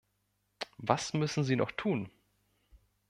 Was müssen sie noch tun?